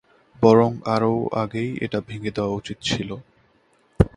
বরং আরও আগেই এটা ভেঙে দেওয়া উচিত ছিল।